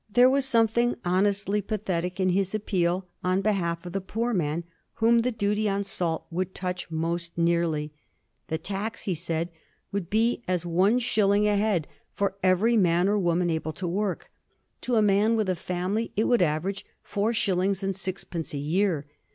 There was something honestly pathetic in his appeal on behalf of the poor man, whom the duty on salt would touch most nearly. The tax, he said, would be at least one shilling a head for every Digiti zed by Google 1782 OPPOSITION ALARM. 411 man or woman able to work ; to a man with a family it would average four shillings and sixpence a year.